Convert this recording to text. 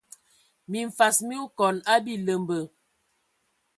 Mimfas mi okɔn a biləmbə.